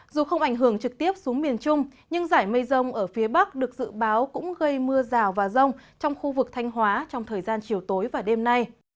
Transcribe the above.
dù không ảnh hưởng trực tiếp xuống miền trung nhưng giải mây rông ở phía bắc được dự báo cũng gây mưa rào và rông trong khu vực thanh hóa trong thời gian chiều tối và đêm nay